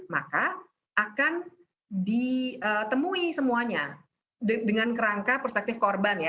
maka akan ditemui semuanya dengan kerangka perspektif korban ya